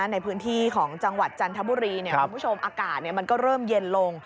ในพื้นที่ของจังหวัดจันทบุรีคุณผู้ชมอากาศมันก็เริ่มเย็นลง